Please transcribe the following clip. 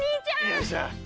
よいしょ。